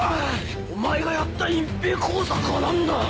お前がやった隠蔽工作は何だ！